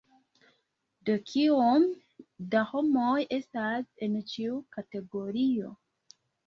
Do kiom da homoj estas en ĉiu kategorio?